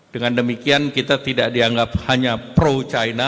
dengan demikian kita tidak dianggap hanya pro china